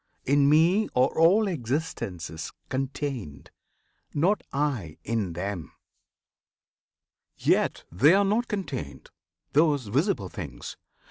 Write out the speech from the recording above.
In Me are all existences contained; Not I in them! Yet they are not contained, Those visible things!